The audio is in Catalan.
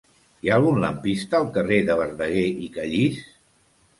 Hi ha algun lampista al carrer de Verdaguer i Callís?